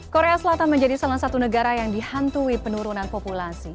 korea selatan menjadi salah satu negara yang dihantui penurunan populasi